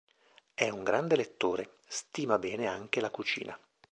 È un grande lettore, stima bene anche la cucina.